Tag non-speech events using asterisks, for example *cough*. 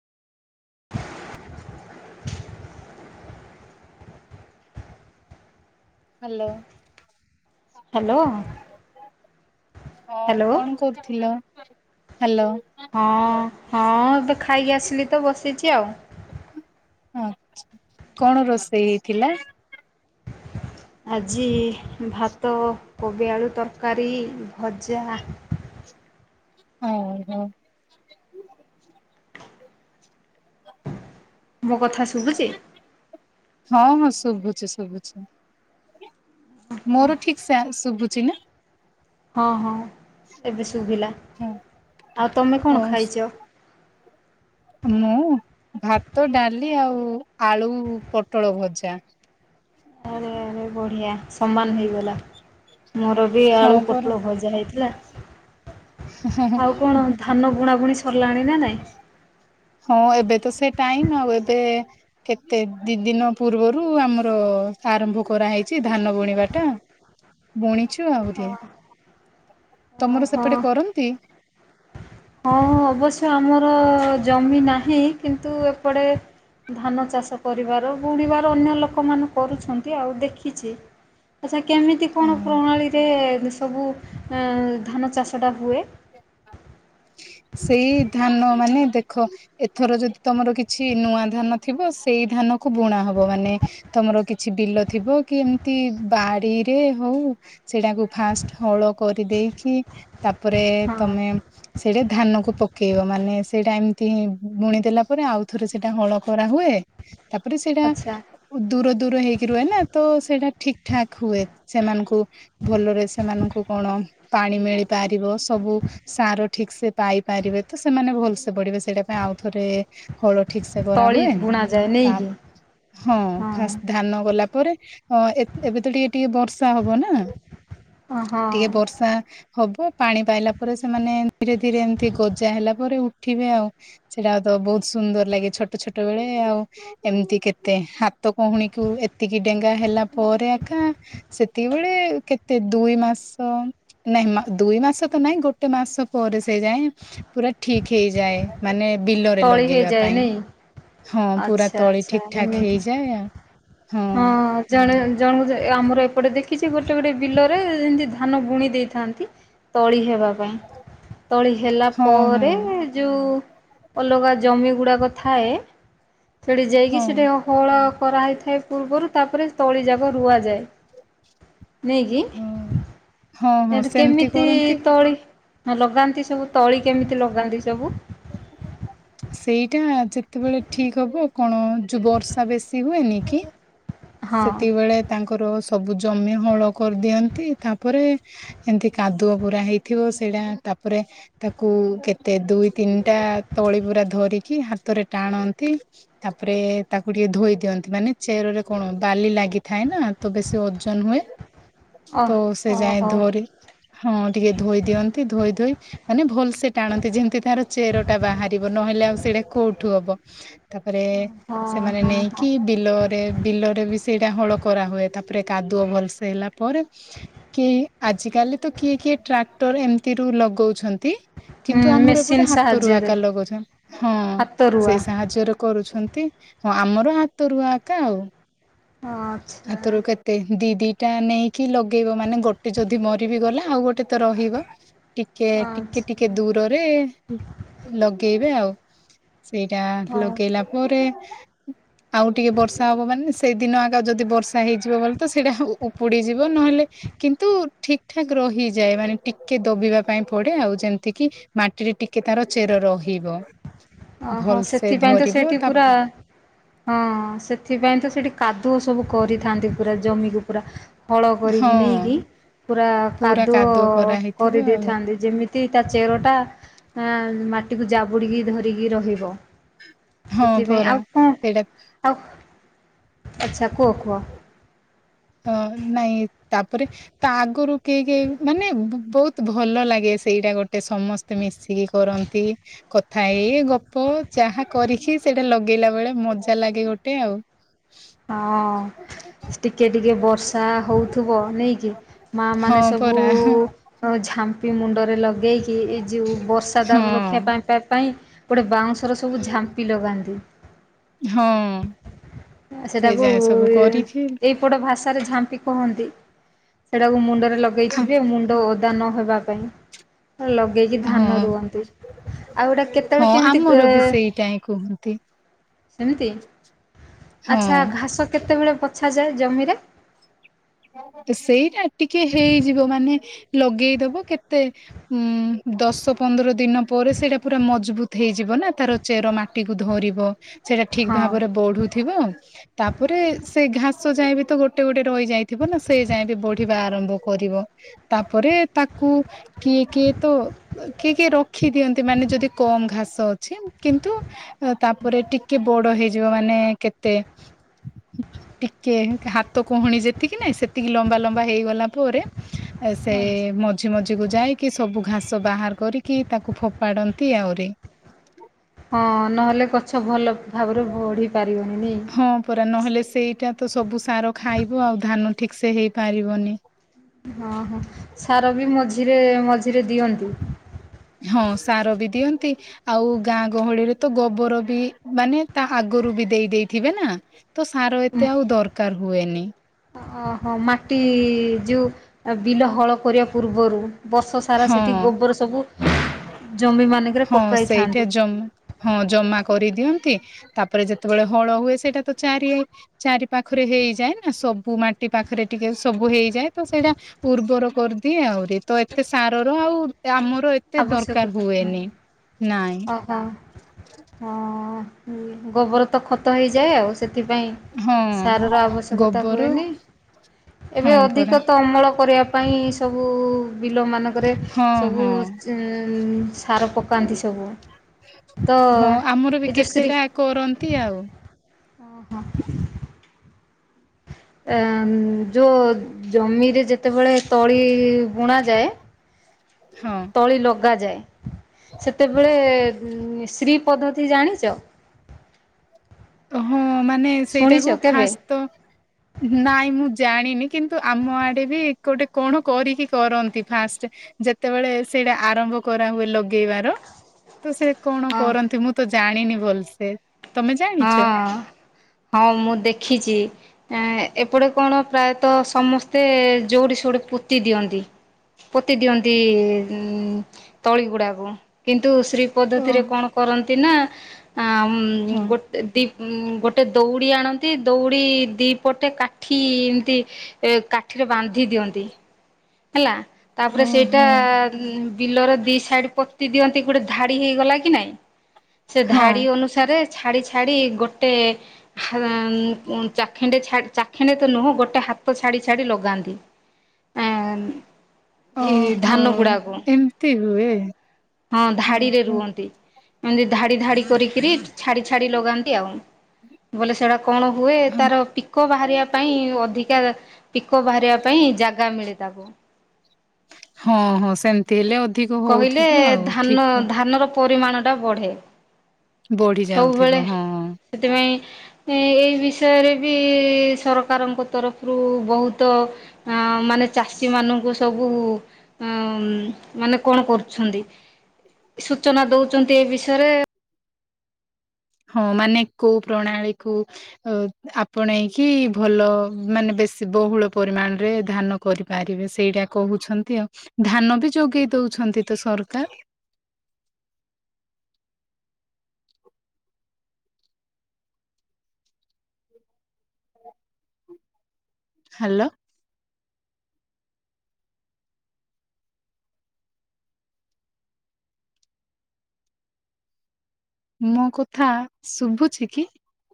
Hello. Hello. ହଁ hello କଣ କରୁଥିଲ, ହ୍ୟାଲୋ। ହଁ ହଁ ଏବେ ଖାଇକି ଆସିଲି ତ ବସିଛି ଆଉ। ଆଚ୍ଛା କଣ ରୋଷେଇ ହେଇଥିଲା ଆଜି ଭାତ, କୋବି ଆଳୁ ତରକାରୀ, ଭଜା, ହଉ ହଉ। ମୋ କଥା ଶୁଭୁଛି ହଁ ହଁ ଶୁଭୁଛି ଶୁଭୁଛି। ମୋର ଠିକ୍ ସେ ଶୁଭୁଛି ନା ହଁ ହଁ ଏବେ ଶୁଭିଲା, ହଁ ଆଉ ତମେ ଓ କଣ ଖାଇଛ ମୁଁ ଭାତ ଡାଲି ଆଉ ଆଳୁ ପୋଟଳ ଭଜା। ଆରେ *inaudible* ଆରେ ବଢ଼ିଆ ସମାନ ହେଇଗଲା, ମୋର ବି ହଁ ଆଳୁ ପରା ପୋଟଳ ଭଜା ହେଇଥିଲା। ଆଉ କଣ ଧାନ ବୁଣା ବୁଣି ସରିଲାଣି ନା ନାଇଁ ହଁ ଏବେ ତ ସେ ଟାଇମ ଆଉ ଏବେ କେତେ ଦି ଦିନ ପୂର୍ବରୁ ଆମର ଆରମ୍ଭ କରାହେଇଛି ଧାନ ବୁଣିବାଟା। *inaudible* ବୁଣିଛୁ ହଁ ଆହୁରି ତମର ସେପଟେ ହଁ କରନ୍ତି ହଁ ଅବଶ୍ୟ ଆମର ଜମି ନାହିଁ କିନ୍ତୁ ଏପଟେ ଧାନ ଚାଷ କରିବାର ବୁଣିବାର ଅନ୍ୟ ଲୋକ ମାନେ କରୁଛନ୍ତି ଆଉ ଦେଖିଛି। ଆଚ୍ଛା କେମିତି କଣ ପ୍ରଣାଳୀରେ ସବୁ ଧାନ ଚାଷଟା ହୁଏ ସେଇ ଧାନ ମାନେ ଦେଖ ଦେଖ ଏଥର ଯଦି ତମର କିଛି ନୂଆ ଧାନ ଥିବ ସେଇ ଧାନ କୁ ବୁଣା ହବ। ମାନେ ତମର କିଛି ବିଲ ଥିବ କି ଏମିତି ବାଡିରେ ହଉ ସେଇଟାକୁ ଫାଷ୍ଟ ହଳ କରିଦେଇକି ତାପରେ ହଁ ତମେ ସେଇଟା ଧାନ କୁ ପକେଇବ ମାନେ ସେଇଟା ଏମିତି ବୁଣିଦେଲା ପରେ ଆଉ ଥରେ ସେଟା ହଳ ଖରା ହୁଏ। ତାପରେ ସେଇଟା ଆଚ୍ଛା ଦୂର ଦୂର ହେଇକି ରୁହେ ନା ତ ସେଇଟା ଠିକ ଠାକ୍ ହୁଏ। ସେମାନଙ୍କୁ ଭଲରେ ସେମାନଙ୍କୁ କଣ ପାଣି ମିଳିପାରିବ ସବୁ ସାର ଠିକ ସେ ପାଇ ପାରିବେ ତ ସେମାନେ ଭଲ ସେ ପଢିବେ ସେଇଟା ପାଇଁ ଆଉ ଥରେ ହଳ ଠିକ ସେ ତଳି କରାହୁଏ। ବୁଣାଯାଏ ତା ନେଇକି? ହଁ ଫାଷ୍ଟ ହଁ ଧାନ ଗଲା ପରେ ଅ ଏ ଏବେ ତ ଟିକେ ଟିକେ ବର୍ଷା ହବ ନା ହଁ ଟିକେ ବର୍ଷା ହବ ପାଣି ପାଇଲା ପରେ ସେମାନେ ଧୀରେ ଧୀରେ ଏମତି ଗଜା ହେଲା ପରେ ଉଠିବେ ଆଉ। ଛିଡା ହଉଥବ। ବହୁତ ସୁନ୍ଦର ଲାଗେ ଛୋଟ ଛୋଟ ବେଳେ ଆଉ। ଏମିତି କେତେ ହାତ କହୁଣୀକୁ ଏତିକି ଡେଙ୍ଗା ହେଲା ପରେ ଆକା ସେତିକିବେଳେ କେତେ ଦୁଇ ମାସ ନାଇଁ ମା ଦୁଇ ମାସ ତ ନାଇଁ ଗୋଟେ ମାସ ପରେ ସେ ଯାଏ ପୁରା ଠିକ ହେଇଯାଏ। ମାନେ ବିଲରେ ତଳି ଲଗେଇବା ହେଇଯାଏ ପାଇଁ ନାଇଁ ହଁ ପୁରା ଆଚ୍ଛା ତଳି ଆଚ୍ଛା ଠିକ୍ ଠାକ୍ ଏମିତି ହେଇଯାଏ ଆଉ। ହଁ ଜଣେ ଜଣ ଆମର ଏପଟେ ଦେଖିଛି ଗୋଟେ ଗୋଟେ ବିଲରେ ଯେମିତି ଧାନ ବୁଣି ଦେଇଥାନ୍ତି। ତଳି ହେବା ପାଇଁ। ତଳି ହେଲା ହଁ ପରେ ହଁ। ଯଉଁ ଅଲଗା ଜମି ଗୁଡ଼ାକ ଥାଏ। ସେଇଠି ଯାଇକି ହଁ ସେଇଠି ହଳ କରାହୋଇଥାଏ ପୂର୍ବରୁ ତାପରେ ତଳିଯାକ ରୁଆଯାଏ। ନେଇକି। ହଁ ହଁ ହଁ ସେମିତି କେମିତି କରନ୍ତି ତଳି ଲଗାନ୍ତି ସବୁ ତଳି କେମିତି ଲଗାନ୍ତି ସବୁ? ସେଇଟା ଯେତେବେଳେ ଠିକ ହବ କଣ ଯୋଉ ବର୍ଷା ବେଶୀ ହୁଏନି କି? ହଁ ସେତିକିବେଳେ ତାଙ୍କର ସବୁ ଜମି ହଳ କରିଦିଅନ୍ତି। ତାପରେ ଏମିତି କାଦୁଅ ପୁରା ହେଇଥିବ ସେଇଟା ତାପରେ ତାକୁ କେତେ ଦୁଇ ତିନିଟା ତଳି ପୁରା ଧରିକି ହାତରେ ଟାଣନ୍ତି। ତାପରେ ତାକୁ ଟିକେ ଧୋଇ ଦିଅନ୍ତି ମାନେ ଚେର ରେ କଣ ବାଲି ଲାଗିଥାଏ ନା? ତ ବେଶୀ ଓଜନ ହୁଏ। ହ ତ ସେ ଯାଏ ଧରି ହଁ ଟିକେ ଧୋଇ ଦିଅନ୍ତି ଧୋଇ ଧୋଇ ମାନେ ଭଲସେ ଟା ଆଣନ୍ତି ଯେମିତି ତାର ଚେର ଟା ବାହାରିବ ନହେଲେ ଆଉ ସେଇଟା କୋଉଠୁ ହବ? ତାପରେ ହଁ ସେମାନେ ହଁ ହଁ। ନେଇକି ବିଲରେ ବିଲରେ ବି ସେଇଟା ହଳ କରା ହୁଏ। ତା- - ପରେ କାଦୁଅ ଭଲସେ ହେଲା ପରେ କି ଆଜିକାଲି ତ କିଏ କିଏ ଟ୍ରାକ୍ଟର ଏମିତିରୁ ଲଗଉଛନ୍ତି। ହୁଁ କିନ୍ତୁ ଆମର ମେସିନ୍ ଏପୋଟେ ହାତରୁ ସାହାଯ୍ୟରେ ଆକାର ଲଗାଉଛ। ହଁ ହାତ ରୁଆ ସେଇ ସା ହାଯ୍ୟରେ କରୁଛନ୍ତି। ହଁ ଆମର ହାତରୁଆ ଆକା ଆଉ। ଆଚ୍ଛା। ହାତରୁ କେ ଦି ଦିଟା ନେଇକି ଲଗେଇବ ମାନେ ଗୋଟେ ଯଦି ମରିିବି ଗଲା ଆଉ ଗୋଟେ ତ ରହିବ। ଟିକେ ଟିକେ ଆଚ୍ଛା ଟିକେ ଦୂରରେ ଲଗେଇବେ ଆଉ। ସେଇଟା ହଉ ଲଗେଇଲା- - ପରେ ଆଉ ଟିକେ ବର୍ଷା ହବ ମାନେ ସେଇଦିନ ଆଗ ଯଦି ବର୍ଷା- - ହେଇଯିବ ବଲେତ ସେଇଟା ଉପୁଡିଯିବ ନହେଲେ କିନ୍ତୁ ଠିକ୍ ଠାକ୍ ରହିଯାଏ। ମାନେ ଟିକେ ଦବିବା ପାଇଁ ପଡ଼େ ଆଉ ଯେମିତିକି - - ମାଟିରେ ଟିକେ ତାର ଚେର ରହିବ। ଓହୋ ଭଲସେ ସେଥିପାଇଁ ତ ଧରିବ ସେଇଠି ତା ପୁରା- - ହଁ ସେଥିପାଇଁ ତ ସେଠି କାଦୁଅ ସବୁ କରିଥାନ୍ତି ପୁରା ଜମିକୁ ପୁରା। ହଳ କରିକି ହଁ ନେଇକି ପୁରା ପୁରା କାଦୁଅ କରା ହେଇଥିବ ଆଉ କରିଦେଇଥାନ୍ତି। ଯେମି ତି ଚେର ଟା ଆଁ ମାଟିକୁ ଜାବୁଡିକି ଧରିକି ରହିବ। ହଁ ସେଥିପାଇଁ ପରା ଆଉ କଂ? ସେଇଟା ଆଉ, ଆଚ୍ଛା କୁହ କୁହ। ହ ନାଇଁ ତାପରେ- - ତା ଆଗରୁ କେହି କେ ମାନେ ବ ବହୁତ ଭଲ ଲାଗେ ସେଇଟା ଗୋଟେ ସମ- - ସ୍ତେ ମିଶିକି କରନ୍ତି। କଥା ଏଇ ଗପ ଚାହା କରିକି ସେଇଟା ଲଗେଇଲା ବେଳେ ମଜା ଲାଗେ ଗୋଟେ ଆଉ ହଁ, ଟିକେ ଟିକେ ବର୍ଷା ହଉଥିବ ନେଇକି ମା ମାନେ ହଁ ସବୁ ପରା ଆ ଝାମ୍ପି ମୁଣ୍ଡରେ ଲଗେଇକି ଏ ଯୋଉ ବର୍ଷା ଦାଉରୁ ରକ୍ଷା ହଁ ପାଇଁ ପାଇଁ ଗୋଟେ ବାଉଁଶର ସବୁ ଝାମ୍ପି ଲଗାନ୍ତି। ହଁ ସେ ସେଟାକୁ ଯାଏ ସବୁ କରିକି ଏଇ ଗୋଟେ ଭାଷାରେ ଝାମ୍ପି କହନ୍ତି। ସେଟାକୁ ମୁଣ୍ଡରେ ଲଗେଇଥିବେ ମୁଣ୍ଡ ଓଦା ଦାନ ହେବା ପାଇଁ ହାଲୋ! ଲଗେଇକି ହଁ ଧାନ ରୁଅନ୍ତି। ଆଉ ଏଟା କେତେବେଳେ ହଁ କେମିତି ଏ ଆମର ବି ସେଇଟା ହିଁ କୁହନ୍ତି ସେମିତି ହଁ। ଆଚ୍ଛା! ଘାସ କେତେବେଳେ ବଛାଯାଏ। ଜମିରେ ତ ସେଇଟା ଟିକେ ହେଇଯିବ ମାନେ ଲଗେଇଦବ କେତେ ଉଁ ଦଶ ପନ୍ଦର ଦିନ ପରେ ସେଇଟା ପୁରା ମଜବୁତ ହେଇଯିବ ନା ତାର ଚେର ମାଟିକୁ ଧରିବ। ସେଇଟା ଠିକ ହଁ। ଭାବରେ ବଢୁଥିବ। ତାପରେ ସେ ଘାସ ଯାଏ ବି ତ ଗୋଟେ ଗୋଟେ ରହିଯାଏ। ଥିବ ନା ସେ ଯାଏ ବି ବଢିବା ଆରମ୍ଭ କରିବ ତାପରେ ତାକୁ କିଏ -କିଏ ତ କିଏ -କିଏ ରଖିଦିଅନ୍ତି। ମାନେ ଯଦି କମ ଘାସ ଅଛି। କିନ୍ତୁ ତାପରେ ଟିକେ ବଡ ହେଇଯିବ। ମାନେ କେତେ ଟିକେ ଏମିତି ହାତ କୁହୁଣ ଯେ ତିକି ନାଇଁ ସେତିକି ଲମ୍ବା -ଲମ୍ବା ହେଇଗଲା ପରେ ସେ ଆଚ୍ଛା। ମ ମଝି ମଝିକୁ ଯାଇକି ସବୁ ଘାସ ବାହାର କରିକି ତାକୁ ଫୋପାଡ଼ନ୍ତି। ଆହୁରି ହଁ ନହେଲେ ଗଛ ଭଲ ଭାବରେ ବଢ଼ି ପାରିବନି। ଖରା ନହେଲେ ସେଇଟା ତ ସବୁ ସାର ଖାଇବ ଆଉ ଧାନ ଠିକ ସେ ହେଇ ପାରିବନି। ହଁ -ହଁ ସାର ବି ମଝିରେ- ମଝିରେ ଦିଅନ୍ତି। ହଁ ସାର ବି ଦିଅନ୍ତି। ଆଉ ଗାଁ ଗହଳିରେ ତ ଗୋବର ବି ମାନେ ତା ଆଗରୁ ବି ଦେଇ ଦେଇେଥିବେ ନା ତ ସାର ଏତେ ଆଉ ଦରକାର ହୁଏନି। ଅହୋ ମାଟି ଯେଉଁ ବିଲ ହଳ କରିବା ପୂର୍ବରୁ ବର୍ଷ ସାରା ସେଠି ହଁ ଗୋବର ସବୁ ଜମିମାନଙ୍କରେ ହଁ ସେଇଠା ପକାଇଥାନ୍ତି। ଜମା ହଁ ଜମା କରିଦିଅନ୍ତି ତାପରେ ଯେତେବେଳେ ହଳ ହୁଏ। ସେଇଟା ତ ଚାରିଆ ଚାରି ପାଖରେ ହେଇଯାଏ ନା ସବୁ ମାଟି ପାଖରେ ଟିକେ ସବୁ ହେଇଯାଏ। ତ ସେଇଟା ଉର୍ବର କରିଦିଏ ଆଉ ଇଏ ତ ଏତେ ସାରର ଆଉ ଆମର ଏତେ ଦରକାର ହୁଏନି। ନାଇଁ ହଁ ହଁ ଗୋବର ତ ଖତ ହେଇଯାଏ। ଆଉ ସେଥିପାଇଁ ହଁ ସାର ର ଆବଶ୍ୟକତା ଗୋବର ହୁଏନି। ଏବେ ହଁ ଅଧିକ ପରା ତ ଅମଳ କରିବା ପାଇଁ ସବୁ ବିଲମାନାନଙ୍କରେ ହଁ ସବୁ ହଁ ସାର ପକାନ୍ତି ସବୁ ତ ହଁ ଆମର ବି ଏ ଯୋଉ ଶ୍ରୀ କେତେଟା କରନ୍ତି ଆଉ। ଓହୋ! ଏ ଯୋଉ ଜମିରେ ଯେତେବେଳେ ତଳି ବୁଣା ଯାଏ ହଁ ତଳି ଲଗାଯାଏ। ସେତେବେଳେ ଶ୍ରୀ ପଦ୍ଧତି ଜାଣିଛ? ହଁ ମାନେ ଶୁଣିଛ ସେଇଟାକୁ କେବେ ଫାଷ୍ଟ ତ ନାଇଁ ମୁଁ ଜାଣିନି କିନ୍ତୁ ଆମ ଆଡେ ବି ଗୋଟେ କଣ କରିକି କରନ୍ତି। ଫାଷ୍ଟ ଯେତେବେଳେ ସେଇଟା ଆରମ୍ଭ କରାହୁଏ। ଲଗେଇବାର ତ ସେ କଣ ହଁ କରନ୍ତି ମୁଁ ତ ଜାଣିନି ଭଲସେ ତମେ ଜାଣି ହଁ ହଁ ମୁଁ ଦେଖିଛି। ଏପଟେ କଣ ପ୍ରାୟତଃ ସମସ୍ତେ ଯୋଉଠି ସୋଉଠି ପୋତି ଦିଅନ୍ତି। ପୋତି ଦିଅନ୍ତି ଉ ତଳିଗୁଡ଼ାକୁ କିନ୍ତୁ ଶ୍ରୀ ଓ ପଦ୍ଧତିରେ କଣ କରନ୍ତି ନା ହଁ ଗୋ ଦ ଗୋଟେ ଦଉଡ଼ି ଆଣନ୍ତି ଦଉଡ଼ି ଦୁଇପଟେ କାଠି ଏମିତି ଏ କାଠିରେ ବାନ୍ଧି ଦିଅନ୍ତି। ହେଲା। ତାପରେ ସେଇଟା ବିଲର ଦି ସାଇଡ ପୋତି ଦିଅନ୍ତି ଗୋଟେ ଧାଡି ହେଇଗଲା କି ନାଇଁ ସେ ହଁ। ଧାଡି ଅନୁସାରେ ଛାଡି ଛାଡି ଗୋଟେ ଚାଖେଣ୍ଡେ ଚାଖେଣ୍ଡେ ତ ନୁହଁ ଗୋଟେ ହାତ ଛାଡ଼ି ଛାଡ଼ି ଲଗାନ୍ତି। *inaudible* ଏଇ ଓହୋ ଧାନ ଗୁଡାକୁ ଏମିତି ହୁଏ ହଁ ଧାଡିରେ ଓହୋ। ରୁହନ୍ତି। ଏମିତି ଧାଡି ଧାଡି କରିକି ଛାଡି ଛାଡି ଲଗାନ୍ତି ଆଉ। ବୋଲେ ସେଟା କଣ ହୁଏ ହଁ ତାର ପିକ ବାହାରିବା ପାଇଁ ଅଧିକା ପିକ ବାହାରିବା ପାଇଁ ଜାଗା ମିଳେ ତାକୁ। ହଁ ହଁ ସେମିତି ହେଲେ ଅଧିକ କହିଲେ ହଉଥିବ ଆଉ ଧାନ ଠିକ। ଧାନର ପରିମାଣଟା ବଢ଼େ। ବଢି ଯାଉଥିବ ହଁ। ସେଥିପାଇଁ ଏହି ବିଷୟରେ ବି ସରକାରଙ୍କ ତରଫରୁ ବହୁତ ଅ ମାନେ ଚାଷୀ ମାନଙ୍କୁ ସବୁ ଅ ମାନେ କଣ କରୁଛନ୍ତି ସୂଚନା ଦଉଛନ୍ତି ଏ ବିଷୟରେ ହଁ ମାନେ କୋଉ ପ୍ରଣାଳୀ କୁ ଅ ଆପଣେଇକି ଭଲ ମାନେ ବେଶୀ ବହୁଳ ପରିମାଣରେ ଧାନ କର ପାରିବେ ସେଇଟା କହୁଛନ୍ତି ଆଉ ଧାନ ବି ଯୋଗେଇ ଦଉଛନ୍ତି ତ ସରକାର। *inaudible* ହ୍ୟାଲୋ। ମୋ କଥା ଶୁଭୁଛି କି